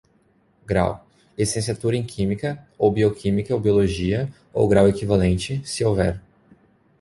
Grau: Licenciatura em Química, ou Bioquímica ou Biologia, ou grau equivalente, se houver.